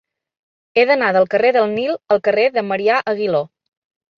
He d'anar del carrer del Nil al carrer de Marià Aguiló.